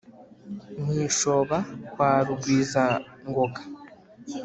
Mu Ishoba kwa Rugwizangoga